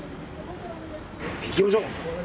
行きましょう。